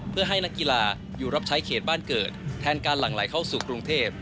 เพื่อให้นักกีฬาอยู่รับใช้เขตบ้านเกิดแทนการหลั่งไหลเข้าสู่กรุงเทพ